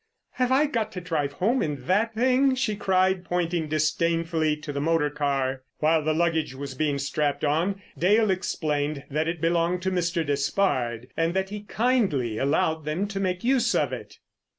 "Have I got to drive home in that thing?" she cried, pointing disdainfully to the motor car. While the luggage was being strapped on, Dale explained that it belonged to Mr. Despard, and that he kindly allowed them to make use of it.